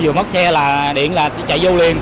chiều mất xe là điện là chạy vô liên